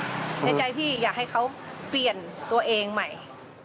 ในใจพี่อยากให้เขาเปลี่ยนตัวเองใหม่